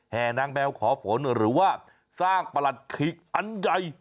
นางแมวขอฝนหรือว่าสร้างประหลัดขิกอันใหญ่